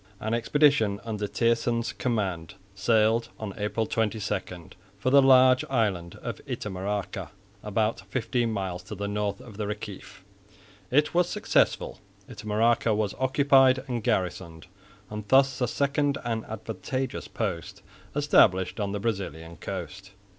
An expedition under Thijssen's command sailed on April 22 for the large island of Itamaraca about fifteen miles to the north of the Reciff. It was successful. Itamaraca was occupied and garrisoned, and thus a second and advantageous post established on the Brazilian coast.